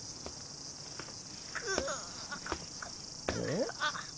ん？